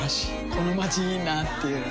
このまちいいなぁっていう